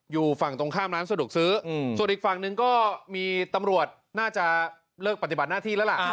อยู่ฝั่งตรงข้ามร้านสะดวกซื้อส่วนอีกฝั่งหนึ่งก็มีตำรวจน่าจะเลิกปฏิบัติหน้าที่แล้วล่ะ